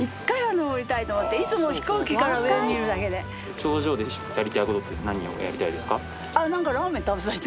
頂上でやりたい事って何をやりたいですか？